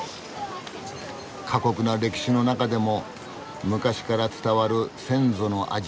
過酷な歴史の中でも昔から伝わる先祖の味